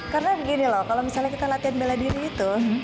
karena gini loh kalau misalnya kita latihan bela diri itu